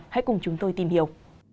hãy cùng chúng tôi tìm hiểu